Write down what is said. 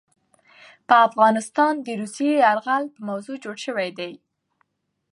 په افغانستان د روسي يلغار په موضوع جوړ شوے دے